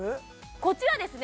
こちらですね